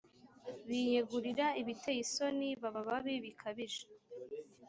biyegurira ibiteye isoni baba babi bikabije